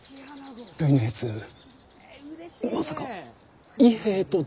るいのやつまさか伊兵衛とできて。